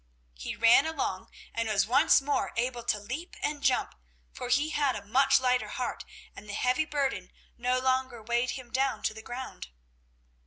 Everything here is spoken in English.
He ran along and was once more able to leap and jump, for he had a much lighter heart and the heavy burden no longer weighed him down to the ground.